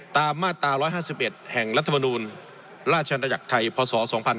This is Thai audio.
ตามมาตรา๑๕๑แห่งรัฐบาลนูนราชันตะอยักษ์ไทยพศ๒๕๖๐